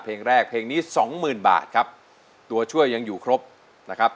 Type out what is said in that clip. เพลงแรกเพลงนี้สองหมื่นบาทครับตัวช่วยยังอยู่ครบนะครับ